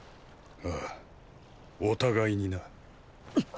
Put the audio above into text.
ああお互いにな。っ！